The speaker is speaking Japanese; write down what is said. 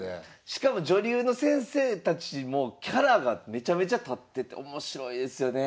しかも女流の先生たちもキャラがめちゃめちゃ立ってて面白いですよね。